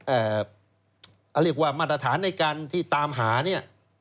เรียกว่ามาตรฐานในการที่ตามหาเนี่ย